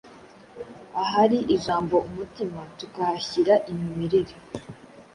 ahari ijambo umutima tukahashyira imimerere.